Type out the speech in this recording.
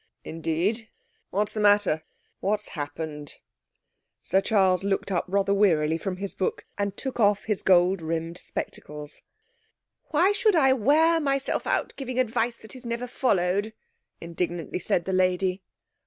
'Indeed! What's the matter? What has happened?' Sir Charles looked up rather wearily from his book and took off his gold rimmed spectacles. 'Why should I wear myself out giving advice that is never followed?' indignantly said the lady.